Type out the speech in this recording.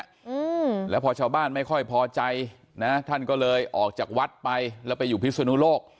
อืมแล้วพอชาวบ้านไม่ค่อยพอใจนะท่านก็เลยออกจากวัดไปแล้วไปอยู่พิศนุโลก